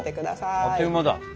あっという間だ。